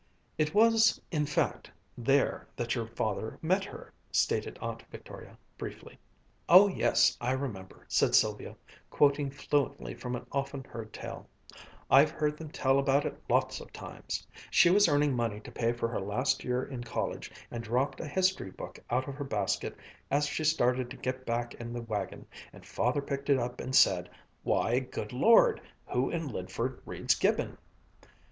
"It was, in fact, there that your father met her," stated Aunt Victoria briefly. "Oh yes, I remember," said Sylvia, quoting fluently from an often heard tale. "I've heard them tell about it lots of times. She was earning money to pay for her last year in college, and dropped a history book out of her basket as she started to get back in the wagon, and Father picked it up and said, 'Why, good Lord! who in Lydford reads Gibbon?'